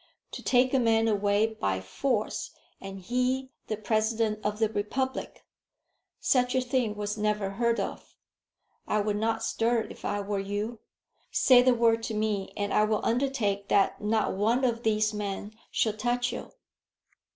To take a man away by force, and he the President of the republic! Such a thing was never heard of. I would not stir if I were you. Say the word to me, and I will undertake that not one of these men shall touch you."